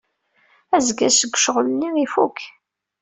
Azgen seg ccɣel-nni ifuk.